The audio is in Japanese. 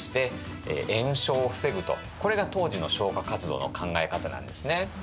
これが当時の消火活動の考え方なんですね。